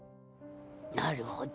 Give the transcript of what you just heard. なるほど。